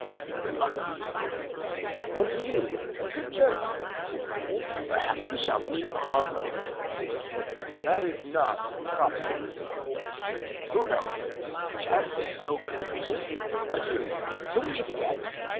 "Good luck to you." "And to you—a good journey." "Perhaps we shall meet on our road." "That is not probable." "Who knows? Chance is so capricious. Adieu, till we meet again!